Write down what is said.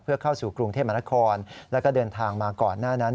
เพื่อเข้าสู่กรุงเทพมหานครแล้วก็เดินทางมาก่อนหน้านั้น